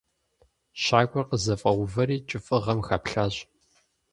Щакӏуэр къызэфӏэувэри кӏыфӏыгъэм хэплъащ.